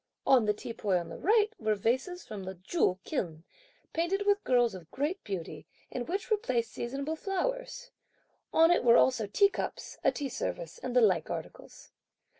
On the teapoy on the right, were vases from the Ju Kiln, painted with girls of great beauty, in which were placed seasonable flowers; (on it were) also teacups, a tea service and the like articles.